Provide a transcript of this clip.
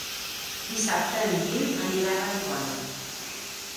Dissabte en Guim anirà a Vallibona.